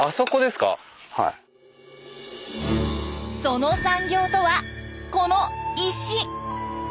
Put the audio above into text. その産業とはこの石。